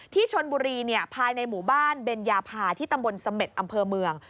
ที่ชนบุรีภายในหมู่บ้านเบนยาพาที่ตำบลเสม็ดอำเภอเมือง